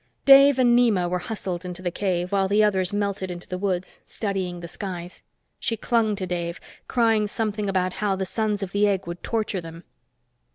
Dave and Nema were hustled into the cave, while the others melted into the woods, studying the skies. She clung to Dave, crying something about how the Sons of the Egg would torture them.